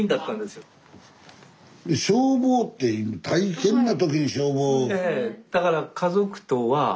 消防って大変な時に消防。